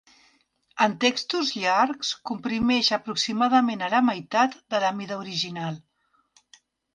En textos llargs, comprimeix aproximadament a la meitat de la mida original.